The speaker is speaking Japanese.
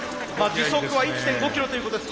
時速は１．５キロということです。